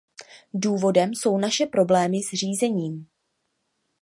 Důvodem jsou naše problémy s řízením.